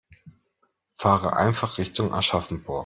Fahre einfach Richtung Aschaffenburg